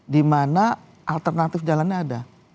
di mana alternatif jalannya ada